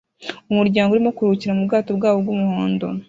Umuryango urimo kuruhukira mubwato bwabo bwumuhondo